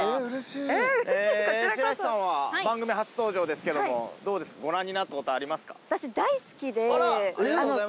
白石さんは番組初登場ですけどもどうですかご覧になったことありますか？